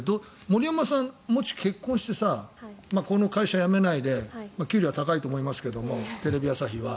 森山さん、もし結婚してこの会社辞めないで給料高いと思いますけどテレビ朝日は。